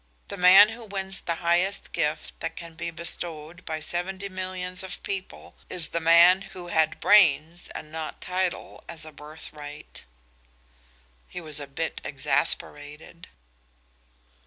The man who wins the highest gift that can be bestowed by seventy millions of people is the man who had brains and not title as a birthright." He was a bit exasperated.